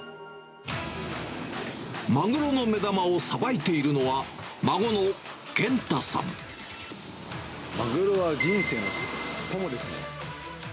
マグロの目玉をさばいているのは、マグロは人生の友ですね。